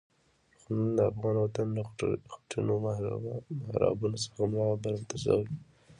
خو نن د افغان وطن له خټینو محرابونو څخه ملا برمته شوی.